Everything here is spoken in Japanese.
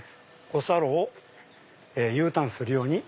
五差路をＵターンするように。